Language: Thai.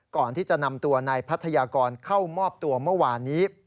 ก่อนที่จะนำตัวนายพัทยากรเข้ามอบตัวเมื่อวานนี้